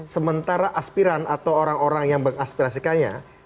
sementara aspiran atau orang orang yang mengaspirasikannya